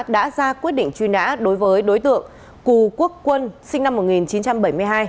đã ra quyết định truy nã đối với đối tượng cù quốc quân sinh năm một nghìn chín trăm bảy mươi hai